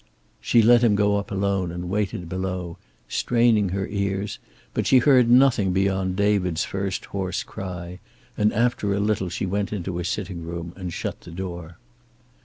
She let him go up alone and waited below, straining her ears, but she heard nothing beyond David's first hoarse cry, and after a little she went into her sitting room and shut the door.